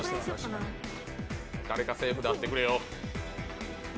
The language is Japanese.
誰かセーフであってくれよ。